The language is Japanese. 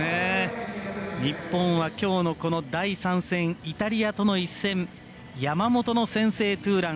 日本はきょうの第３戦イタリアとの一戦山本の先制ツーラン